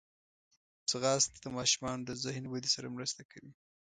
ځغاسته د ماشومانو د ذهن ودې سره مرسته کوي